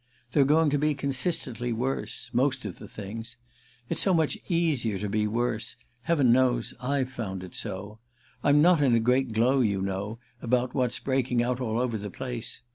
They're going to be consistently worse—most of the things. It's so much easier to be worse—heaven knows I've found it so. I'm not in a great glow, you know, about what's breaking out all over the place.